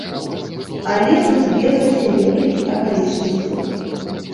Але тут збеглася некалькі акалічнасцяў.